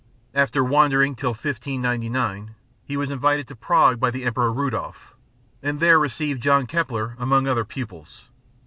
After wandering till 1599, he was invited to Prague by the Emperor Rudolf, and there received John Kepler among other pupils.